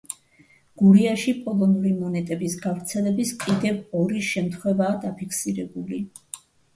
გურიაში პოლონური მონეტების გავრცელების კიდევ ორი შემთხვევაა დაფიქსირებული.